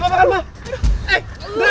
udah kan picka